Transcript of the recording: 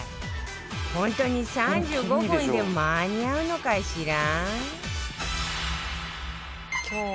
本当に３５分で間に合うのかしら？